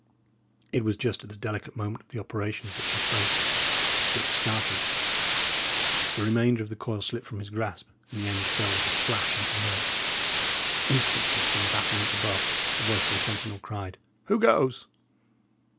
It was just at the delicate moment of the operations that she spoke. Dick started; the remainder of the coil slipped from his grasp, and the end fell with a splash into the moat. Instantly, from the battlement above, the voice of a sentinel cried, "Who goes?"